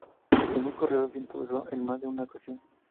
Ningún corredor se impuso en más de una ocasión.